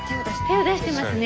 手を出してますね。